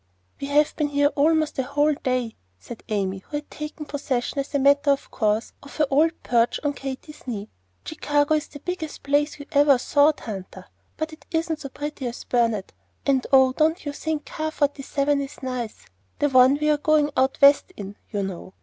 "We have been here almost a whole day," said Amy, who had taken possession, as a matter of course, of her old perch on Katy's knee. "Chicago is the biggest place you ever saw, Tanta; but it isn't so pretty as Burnet. And oh! don't you think Car Forty seven is nice, the one we are going out West in, you know?